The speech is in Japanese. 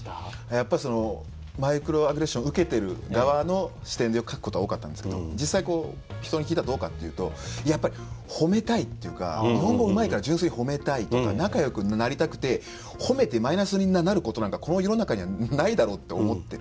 やっぱりそのマイクロアグレッション受けてる側の視点でよく描くことが多かったんですけど実際こう人に聞いたらどうかっていうとやっぱり褒めたいっていうか日本語うまいから純粋に褒めたいとか仲良くなりたくて褒めてマイナスになることなんかこの世の中にはないだろうって思ってる。